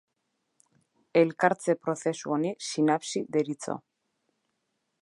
Elkartze prozesu honi sinapsi deritzo.